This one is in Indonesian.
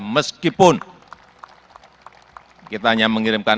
meskipun kita hanya mengirimkan empat ratus sembilan puluh sembilan